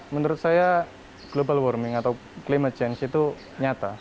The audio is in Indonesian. menurut saya global warming atau climate change itu nyata